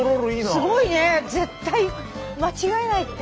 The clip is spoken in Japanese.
すごいね絶対間違えないって。